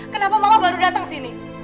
kenapa mama baru datang sini